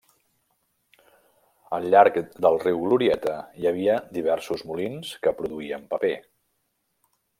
Al llarg del riu Glorieta hi havia diversos molins que produïen paper.